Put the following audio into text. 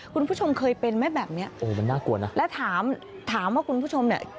คุณผู้ชมเคยเป็นไหมแบบนี้และถามว่าคุณผู้ชมเนี่ย